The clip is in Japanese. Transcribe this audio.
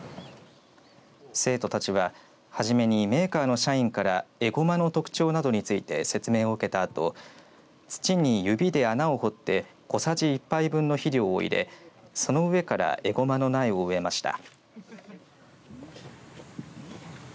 生徒たちは初めにメーカーの社員からえごまの特徴などについて説明を受けたあと土に指で穴を掘って小さじ一杯分の肥料を入れその上からえごまの苗を植えました。